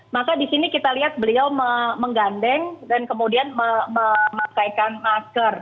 maka di sini kita lihat beliau menggandeng dan kemudian memakaikan masker